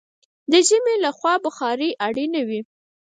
د ژمي له خوا بخارۍ اړینه وي.